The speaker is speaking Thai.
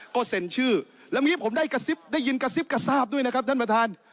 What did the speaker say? ก็เซ็นชื่อแล้วมีให้ผมได้กระซิบได้ยินกระซิบกระซาบด้วยนะครับท่านประธาน